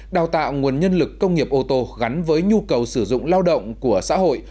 đào tạo nguồn nhân lực công nghiệp ô tô gắn với nhu cầu sử dụng lao động của xã hội